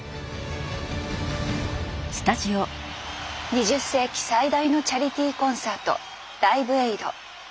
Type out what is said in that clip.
２０世紀最大のチャリティーコンサート「ライブエイド」。